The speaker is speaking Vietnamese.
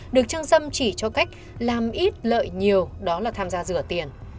được trương dâm chỉ cho cách làm ít lợi nhiều đó là tham gia rửa tiền